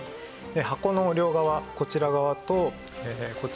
箱の両側こちら側とこちらの手前側ですね